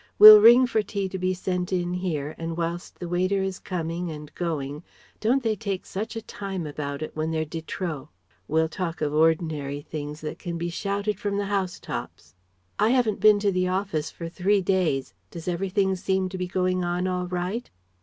We'll ring for tea to be sent in here, and whilst the waiter is coming and going Don't they take such a time about it, when they're de trop? we'll talk of ordinary things that can be shouted from the house tops. "I haven't been to the Office for three days. Does everything seem to be going on all right?"